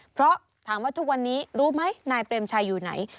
เพราะถามว่าทุกวันนี้รู้ไหมนายเปรมชัยอยู่ไหน